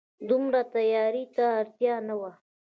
دومره تياري ته اړتيا نه وه